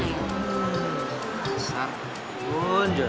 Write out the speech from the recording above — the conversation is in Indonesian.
asal bun jun